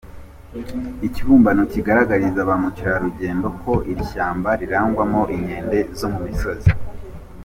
Ikibumbano kigaragariza ba mukerarugendo ko iri shyamba rirangwamo inkende zo mu misozi.